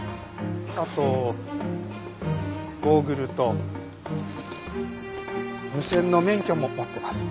あとゴーグルと無線の免許も持ってます。